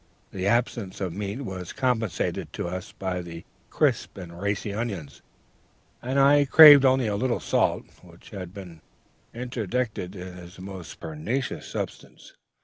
The absence of meat was compensated to us by the crisp and racy onions, and I craved only a little salt, which had been interdicted, as a most pernicious substance.